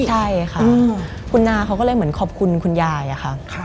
ใช่ค่ะคุณนาเขาก็เลยเหมือนขอบคุณคุณยายอะค่ะ